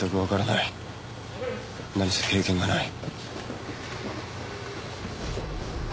なにせ経験がない。